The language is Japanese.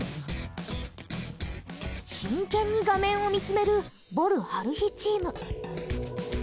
真剣に画面を見つめるぼる・晴日チーム。